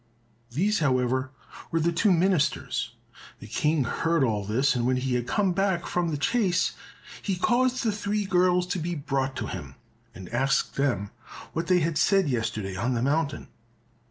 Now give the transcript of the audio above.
These, however, were the two ministers. The King heard all this, and when he had come back from the chase, he caused the three girls to be brought to him, and asked them what they had said yesterday on the mountain.